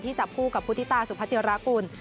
ที่จับคู่กับพุทธิตาสุพจิรกุล